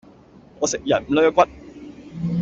我食人唔 𦧲 骨